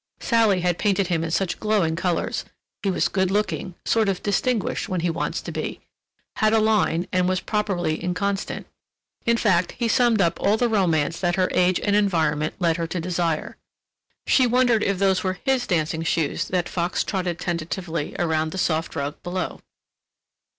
Sally had painted him in such glowing colors—he was good looking, "sort of distinguished, when he wants to be," had a line, and was properly inconstant. In fact, he summed up all the romance that her age and environment led her to desire. She wondered if those were his dancing shoes that fox trotted tentatively around the soft rug below.